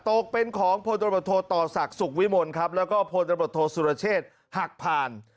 ตกเป็นของพลตำรวจโทษต่อศักดิ์สุขวิมลครับแล้วก็พลตำรวจโทษสุรเชษฐ์หักผ่าน